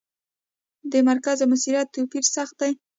د مذکر او مونث توپیر سخت دی.